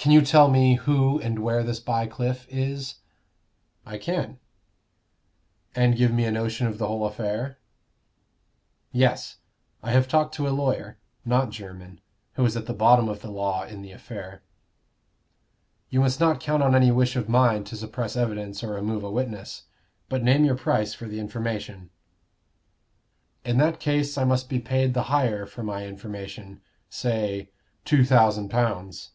"Can you tell me who and where this Bycliffe is?" "I can." " And give me a notion of the whole affair?" "Yes; I have talked to a lawyer not Jermyn who is at the bottom of the law in the affair." "You must not count on any wish of mine to suppress evidence or remove a witness. But name your price for the information." "In that case I must be paid the higher for my information. Say, two thousand pounds."